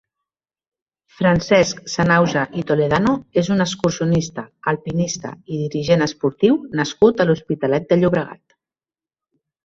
Francesc Sanahuja i Toledano és un excursionista, alpinista i dirigent esportiu nascut a l'Hospitalet de Llobregat.